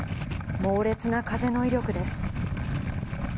猛烈な風の威力です。